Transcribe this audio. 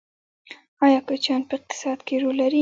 آیا کوچیان په اقتصاد کې رول لري؟